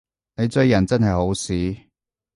你追人真係好屎